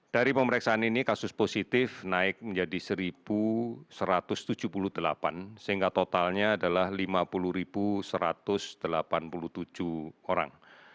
dari pemeriksaan ini kasus positif naik menjadi satu satu ratus tujuh puluh delapan sehingga totalnya adalah lima puluh satu ratus delapan puluh tujuh orang